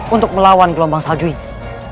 untuk melawan gelombang salju ini